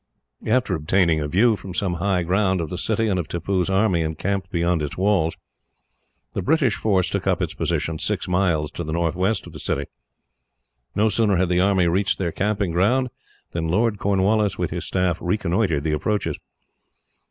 After obtaining a view, from some high ground, of the city and of Tippoo's army encamped beyond its walls, the British force took up its position six miles to the northwest of the city. No sooner had the army reached their camping ground than Lord Cornwallis, with his staff, reconnoitred the approaches.